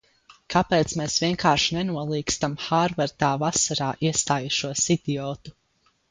Kāpēc mēs vienkārši nenolīgstam Hārvardā vasarā iestājušos idiotu?